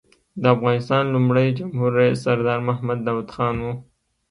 د افغانستان لومړی جمهور رییس سردار محمد داود خان و.